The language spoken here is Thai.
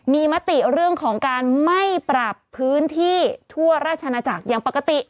มีมติเรื่องของการไม่ปรับพื้นที่ทั่วราชนาจักรอย่างปกติ